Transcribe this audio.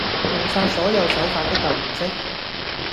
用晒所有手法都救唔熄